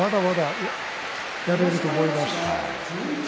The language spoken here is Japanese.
まだまだやれると思います。